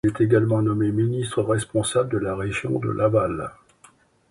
Il est également nommé ministre responsable de la région de Laval.